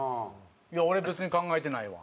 「俺別に考えてないわ」。